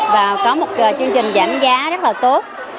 và có một chương trình giảm giá rất là tốt